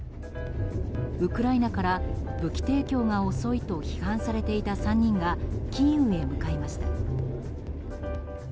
ウクライナから武器提供が遅いと批判されていた３人がキーウへ向かいました。